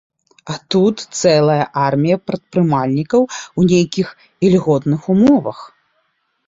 А тут цэлая армія прадпрымальнікаў у нейкіх ільготных умовах.